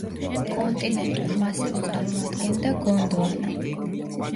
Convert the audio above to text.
კონტინენტურ მასივს წარმოადგენდა გონდვანა.